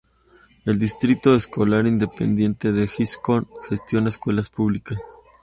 El Distrito Escolar Independiente de Hitchcock gestiona escuelas públicas.